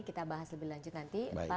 kita bahas lebih lanjut nanti